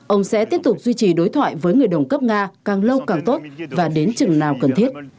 ông sẽ tiếp tục duy trì đối thoại với người đồng cấp nga càng lâu càng tốt và đến chừng nào cần thiết